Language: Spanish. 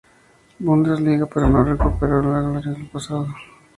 Bundesliga, pero no recuperó la gloria del pasado.